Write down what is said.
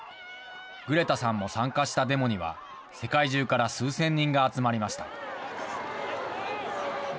グレタさんも参加したデモには、世界中から数千人が集まりました。